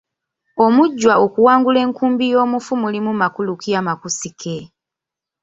Omujjwa okuwangula enkumbi y’omufu mulimu makulu ki amakusike?